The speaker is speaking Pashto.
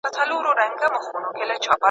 ماشوم له لوبې سره زده کړه کوي.